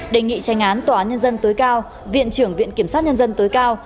đề nghị tranh án tòa nhân dân tối cao viện trưởng viện kiểm soát nhân dân tối cao